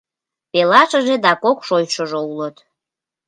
— Пелашыже да кок шочшыжо улыт.